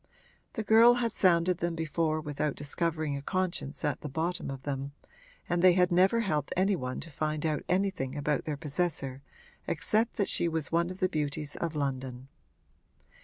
The girl had sounded them before without discovering a conscience at the bottom of them, and they had never helped any one to find out anything about their possessor except that she was one of the beauties of London.